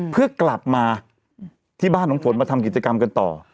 เพื่อกลับมาที่บ้านของฝนมาทำกิจกรรมกันต่อ